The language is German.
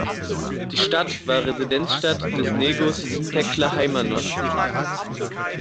Die Stadt war Residenzstadt des Negus "Tekle Haymanot".